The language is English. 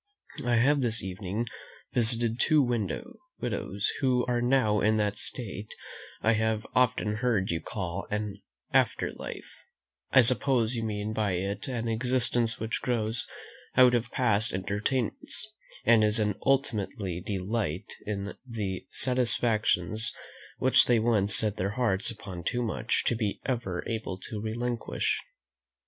I have this evening visited two widows, who are now in that state I have often heard you call an after life; I suppose you mean by it an existence which grows out of past entertainments, and is an untimely delight in the satisfactions which they once set their hearts upon too much to be ever able to relinquish.